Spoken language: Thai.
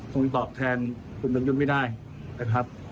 คงตอบแทนคุณประยุทธ์ไม่ได้นะครับ